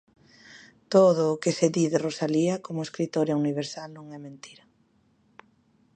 Todo o que se di de Rosalía como escritora universal non é mentira.